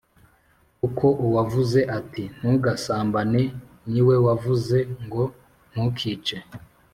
kuko uwavuze ati Ntugasambane ni we wavuze ngo ntukice